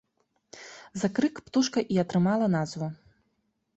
За крык птушка і атрымала назву.